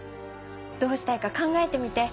どうしたいか考えてみて。